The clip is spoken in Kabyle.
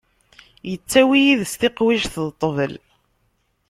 Yettawi yid-s tiqwijt d ṭṭbel.